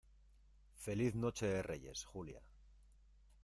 feliz noche de Reyes, Julia.